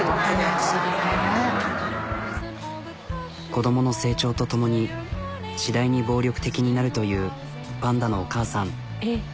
子どもの成長とともに次第に暴力的になるというパンダのお母さん。